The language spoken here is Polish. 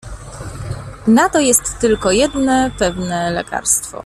"Na to jest tylko jedne pewne lekarstwo."